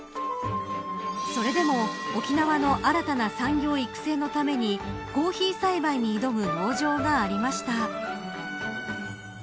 それでも沖縄の新たな産業育成のためにコーヒー栽培に挑む農場がありました。